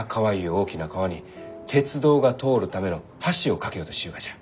大きな川に鉄道が通るための橋を架けようとしゆうがじゃ。